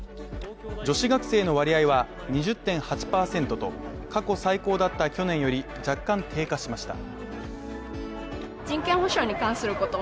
女子学生の割合は２０．８％と、過去最高だった去年より若干低下しました。